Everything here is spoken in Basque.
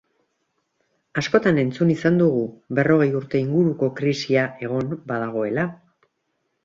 Askotan entzun izan dugu berrogei urte inguruko krisia egon badagoela.